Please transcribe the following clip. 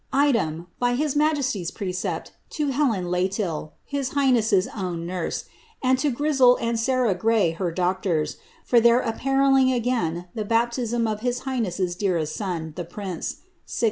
Item, by his majesty's precept, to Helen Lay till, his highness*s awn nurse, and to Grissel and Sarah Gray, her docbters, for their apparelling again the baptism of his highness' dearest son, the prince, 6462.